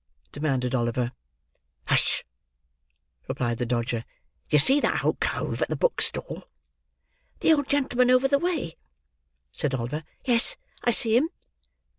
demanded Oliver. "Hush!" replied the Dodger. "Do you see that old cove at the book stall?" "The old gentleman over the way?" said Oliver. "Yes, I see him."